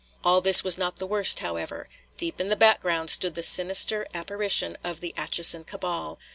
All this was not the worst, however. Deep in the background stood the sinister apparition of the Atchison cabal.